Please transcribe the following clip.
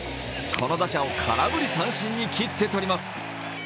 この打者を空振り三振に切って取ります。